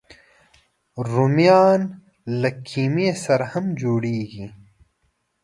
رومیان له قیمې سره هم جوړېږي